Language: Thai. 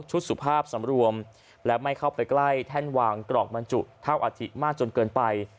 สุภาพสำรวมและไม่เข้าไปใกล้แท่นวางกรอกบรรจุเท่าอาทิตมากจนเกินไป